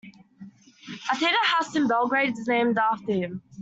A theatre house in Belgrade is named after him.